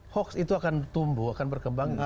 hoax itu akan tumbuh akan berkembang